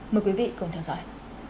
mời quý vị cùng theo dõi